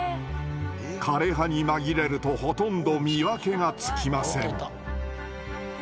枯れ葉に紛れるとほとんど見分けがつきません。